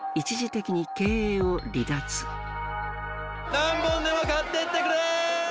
何本でも買ってってくれ！